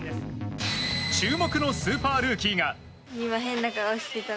注目のスーパールーキーが。